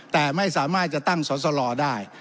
แต่ไม่สามารถจะตั้งสอสลอได้